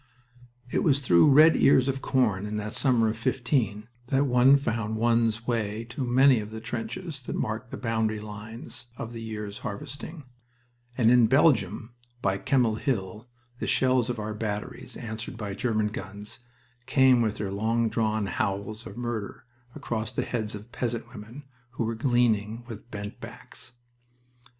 It was through red ears of corn, in that summer of '15, that one found one's way to many of the trenches that marked the boundary lines of the year's harvesting, and in Belgium (by Kemmel Hill) the shells of our batteries, answered by German guns, came with their long drawn howls of murder across the heads of peasant women who were gleaning, with bent backs.